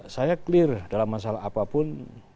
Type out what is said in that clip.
saya clear dalam masalah apapun